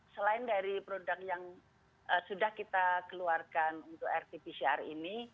selain dari produk yang sudah kita keluarkan untuk rt pcr ini